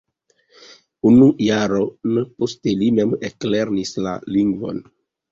Unu jaron poste li mem eklernis la lingvon.